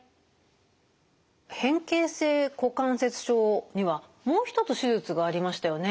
変形性股関節症にはもう一つ手術がありましたよね。